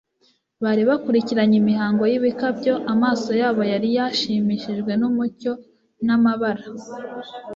Bari bakurikiranye imihango y'ibikabyo, amaso yabo yari yashimishijwe n'mucyo n'amabara,